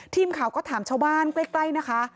ทีมข่าวก็ถามชาวบ้านใกล้นะคะ